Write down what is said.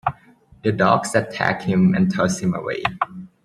The dogs attack him and toss him away.